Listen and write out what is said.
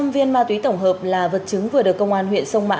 một hai trăm linh viên ma túy tổng hợp là vật chứng vừa được công an huyện sông mã